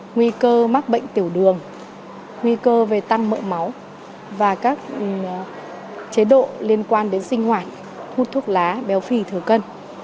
nguy cơ mắc bệnh tiểu đường nguy cơ về tăng mỡ máu và các chế độ liên quan đến sinh hoạt hút thuốc lá béo phì thừa cân